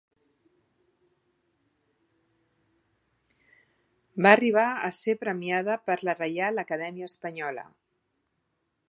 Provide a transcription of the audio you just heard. Va arribar a ser premiada per la Reial Acadèmia Espanyola.